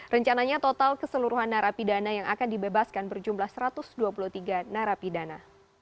rencananya total keseluruhan narapidana yang akan dibebaskan berjumlah satu ratus dua puluh tiga narapidana